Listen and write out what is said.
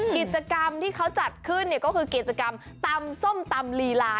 กิจกรรมที่เขาจัดขึ้นก็คือกิจกรรมตำส้มตำลีลา